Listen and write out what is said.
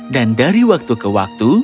dari waktu ke waktu